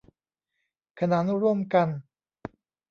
ขนานร่วมกัน